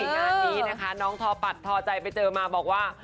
งานนี้นะคะน้องทอปัดทอใจไปเจอมาบอกว่า